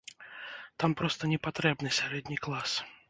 Там проста не патрэбны сярэдні клас.